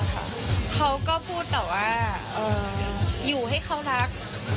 เขาก็พูดแต่ว่าอยู่ให้เขารัก